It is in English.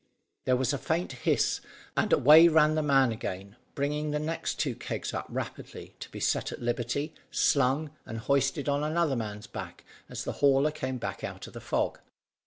There was a faint hiss, and away ran the man again bringing the next two kegs up rapidly, to be set at liberty, slung, and hoisted on another man's back as the hauler came back out of the fog.